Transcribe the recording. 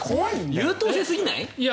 優等生過ぎない？